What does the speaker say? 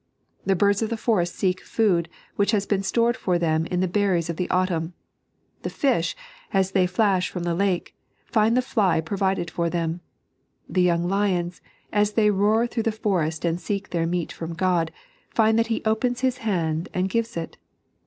The birds of the forest seek food which has been stored for them in the berries of the autumn ; the fish, as they flash from the lake, find the fly provided for them ; the young lions, as they roar through the forest and seek their meat from God, find that He opens His hand and gives it.